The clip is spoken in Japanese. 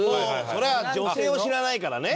それは女性を知らないからね。